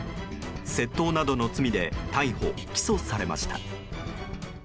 窃盗などの罪で逮捕・起訴されました。